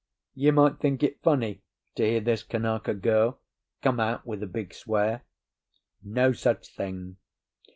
You might think it funny to hear this Kanaka girl come out with a big swear. No such thing.